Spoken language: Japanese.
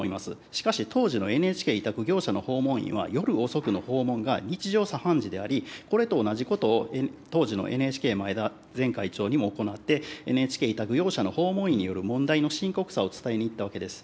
しかし、当時のＮＨＫ委託業者の訪問員は、夜遅くの訪問が日常茶飯事であり、これと同じことを当時のＮＨＫ、前田前会長にも行って、ＮＨＫ委託業者の訪問員による問題の深刻さを伝えに行ったわけです。